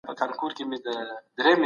ښه خلک د ژوند په هر پړاو کي بريالي وي.